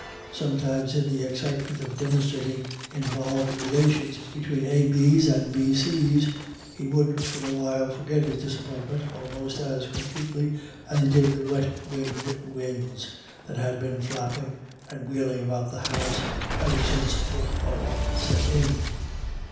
Sometimes in the excitement of demonstrating involved relations between AB's and BC's he would for a while forget his disappointment almost as completely as he did the wet winged winds that had been flapping and wheeling about the house ever since the thaw set in.